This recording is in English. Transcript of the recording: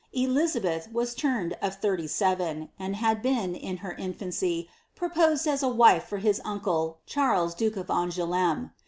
Elinbeth waa turned of thirty seven, and had been, in her infancy, proposed as a wtfc for his uncle, Charles duke of Angoulf me.